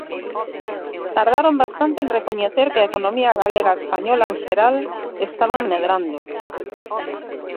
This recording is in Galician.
Tardaron bastante en recoñecer que a economía galega e española en xeral estaban medrando.